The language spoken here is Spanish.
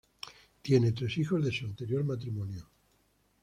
Tiene tres hijos de su anterior matrimonio.